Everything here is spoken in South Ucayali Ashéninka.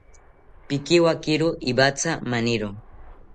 Pikewakiro iwatha maniro